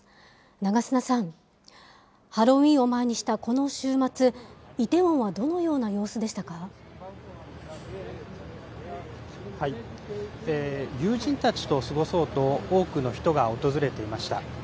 長砂さん、ハロウィーンを前にしたこの週末、イテウォンはどのよ友人たちと過ごそうと、多くの人が訪れていました。